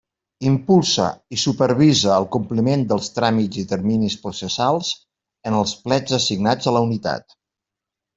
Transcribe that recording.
Impulsa i supervisa el compliment dels tràmits i terminis processals en els plets assignats a la unitat.